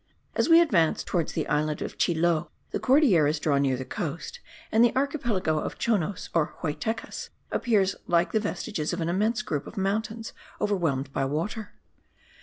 As we advance towards the island of Chiloe, the Cordilleras draw near the coast; and the archipelago of Chonos or Huaytecas appears like the vestiges of an immense group of mountains overwhelmed by water.